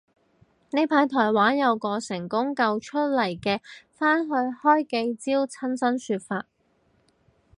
呢排台灣有個成功救到出嚟嘅返去開記招親身說法